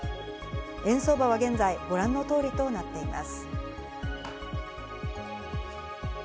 円相場は現在、ご覧の通りとなっています。